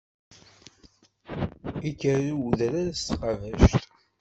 Ikker i wedrar s tqabact.